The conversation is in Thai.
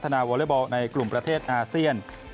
ในกลุ่มประเทศอาเซียน